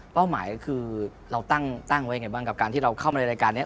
หมายคือเราตั้งไว้ยังไงบ้างกับการที่เราเข้ามาในรายการนี้